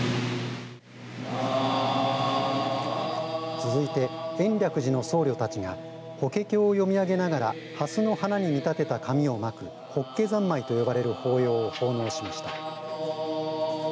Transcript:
続いて延暦寺の僧侶たちが法華経を読み上げながらハスの花に見立てた紙をまく法華三昧という呼ばれる法要を奉納しました。